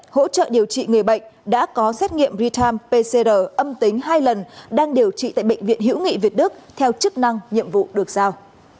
hỗ trợ điều trị người bệnh đã có xét nghiệm real time pcr âm tính hai lần đang điều trị tại bệnh viện hữu nghị việt đức theo chức năng nhiệm vụ được giao